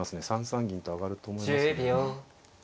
３三銀と上がると思いますね。